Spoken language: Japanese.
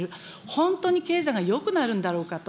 本当に経済がよくなるんだろうかと。